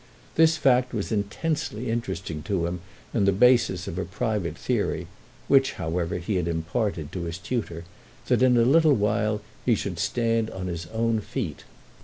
This fact was intensely interesting to him and the basis of a private theory—which, however, he had imparted to his tutor—that in a little while he should stand on his own feet.